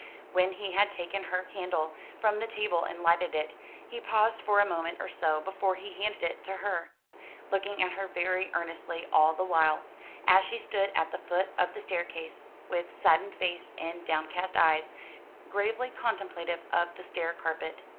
When he had taken her candle from the table and lighted it, he paused for a moment or so before he handed it to her, looking at her very earnestly all the while, as she stood at the foot of the staircase, with saddened face and downcast eyes, gravely contemplative of the stair carpet.